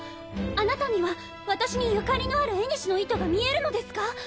あなたには私に所縁のある縁の糸が見えるのですか？